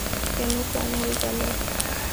কেন, কম হয়ে গেলো?